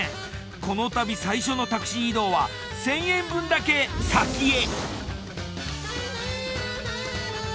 この旅最初のタクシー移動は１，０００円分だけ先へ。